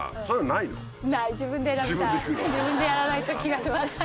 自分でやらないと気が済まない。